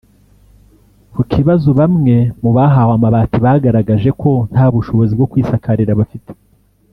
Ku kibazo bamwe mu bahawe amabati bagaragaje ko nta bushobozi bwo kwisakarira bafite